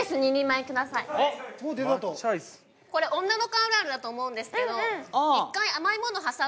これ女の子あるあるだと思うんですけど。